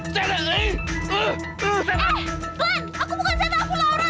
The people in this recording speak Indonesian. tuan aku bukan setan aku laura